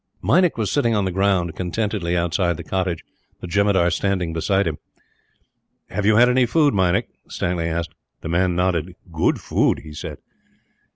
Meinik was sitting on the ground, contentedly, outside the cottage, the jemadar standing beside him. "Have you had any food, Meinik?" Stanley asked. The man nodded. "Good food," he said.